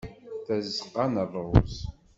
Tazeqqa n rruz.